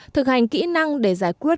thực hành kỹ năng để giải quyết